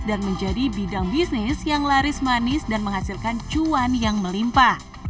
dan menjadi bidang bisnis yang laris manis dan menghasilkan cuan yang melimpa